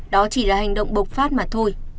đó chỉ là hành động bộc phát mà thôi